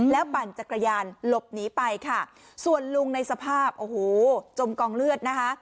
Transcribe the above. ปั่นจักรยานหลบหนีไปค่ะส่วนลุงในสภาพโอ้โหจมกองเลือดนะคะ